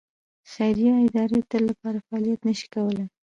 خیریه ادارې د تل لپاره فعالیت نه شي کولای.